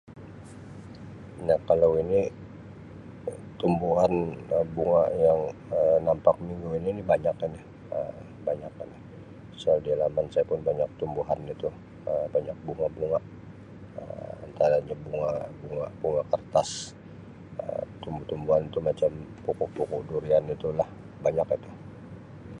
Nah kalau ini tumbuhan Um bunga yang Um nampak minggu ini banyak ini Um banyak ini pasal di laman saya pun banyak tumbuhan itu Um banyak bunga-bunga Um antaranya bunga bunga bunga kertas Um tumbuh-tumbuhan tu macam pokok-pokok durian itu lah banyak itu.